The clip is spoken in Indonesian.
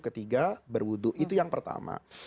ketiga berwudhu itu yang pertama